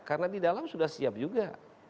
karena di dalam sudah siap juga